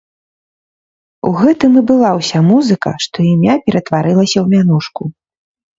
У гэтым і была ўся музыка, што імя ператварылася ў мянушку.